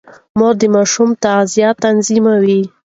مور د ماشوم تغذيه تنظيموي.